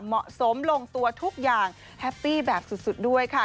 เหมาะสมลงตัวทุกอย่างแฮปปี้แบบสุดด้วยค่ะ